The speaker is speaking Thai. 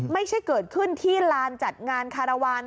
ไม่ใช่เกิดขึ้นที่ลานจัดงานคารวาล